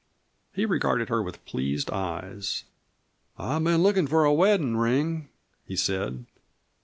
He regarded her with pleased eyes. "I've been lookin' for a weddin' ring," he said.